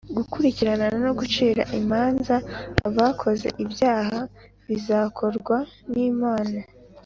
gukurikirana no gucira imanza abakoze ibyaha bizakorwa nImana